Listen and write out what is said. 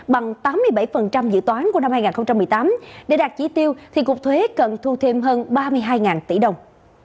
bằng tám mươi bảy dự toán của năm hai nghìn một mươi tám để đạt chỉ tiêu thì cục thuế cần thu thêm hơn ba mươi hai tỷ đồng